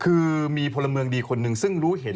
คือมีพลเมืองดีคนหนึ่งซึ่งรู้เห็น